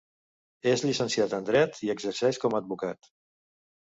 És llicenciat en Dret i exerceix com a advocat.